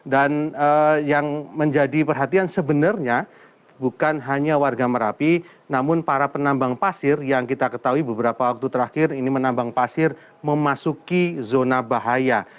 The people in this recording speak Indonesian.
dan yang menjadi perhatian sebenarnya bukan hanya warga merapi namun para penambang pasir yang kita ketahui beberapa waktu terakhir ini penambang pasir memasuki zona bahaya